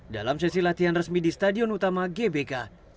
dalam sesi latihan resmi di stadion utama gbk